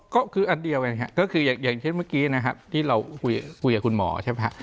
ก็คืออันเดียวกันครับก็คืออย่างเช่นเมื่อกี้นะครับที่เราคุยกับคุณหมอใช่ไหมครับ